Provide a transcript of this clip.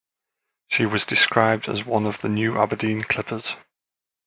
She was described as one of the "new Aberdeen clippers".